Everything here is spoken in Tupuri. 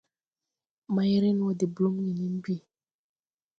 Mayre wɔ de blúmgì nen bìi.